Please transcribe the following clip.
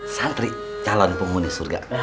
santri calon punggung di surga